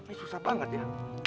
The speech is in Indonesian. ini susah banget ya